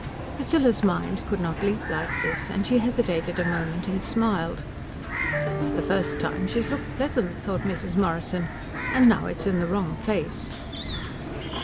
Priscilla's mind could not leap like this, and she hesitated a moment and smiled. ("It's the first time she's looked pleasant," thought Mrs. Morrison, "and now it's in the wrong place.")